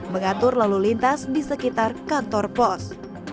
mengatur lalu lintas di sekitar kantor pos